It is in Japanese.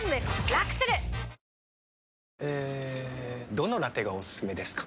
どのラテがおすすめですか？